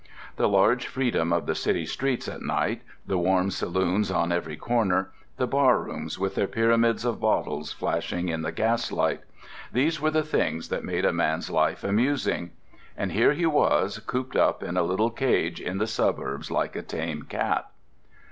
The large freedom of the city streets at night, the warm saloons on every corner, the barrooms with their pyramids of bottles flashing in the gaslight—these were the things that made a man's life amusing. And here he was cooped up in a little cage in the suburbs like a tame cat!